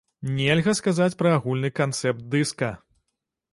Нельга сказаць пра агульны канцэпт дыска.